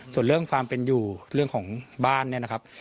ส่วนเรื่องความเป็นอยู่เรื่องของบ้านเนี่ยนะครับ